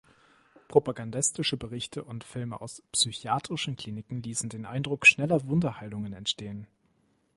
Propagandistische Berichte und Filme aus psychiatrischen Kliniken ließen den Eindruck schneller „Wunderheilungen“ entstehen.